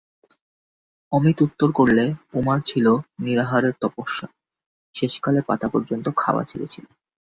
অমিত উত্তর করলে, উমার ছিল নিরাহারের তপস্যা, শেষকালে পাতা পর্যন্ত খাওয়া ছেড়েছিলেন।